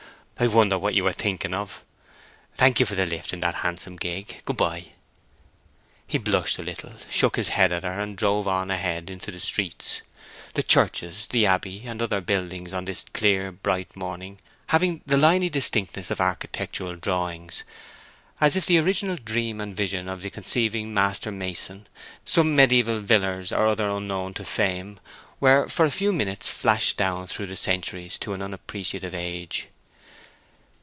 "I wonder what you are thinking of! Thank you for the lift in that handsome gig. Good by." He blushed a little, shook his head at her, and drove on ahead into the streets—the churches, the abbey, and other buildings on this clear bright morning having the liny distinctness of architectural drawings, as if the original dream and vision of the conceiving master mason, some mediaeval Vilars or other unknown to fame, were for a few minutes flashed down through the centuries to an unappreciative age.